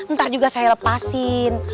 ntar juga saya lepasin